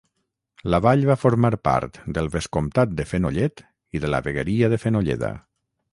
La vall va formar part del vescomtat de Fenollet i de la vegueria de Fenolleda.